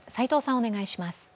お願いします。